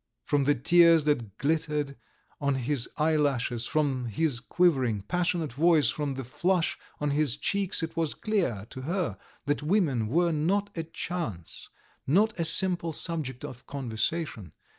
From the tears that glittered on his eyelashes, from his quivering, passionate voice, from the flush on his cheeks, it was clear to her that women were not a chance, not a simple subject of conversation.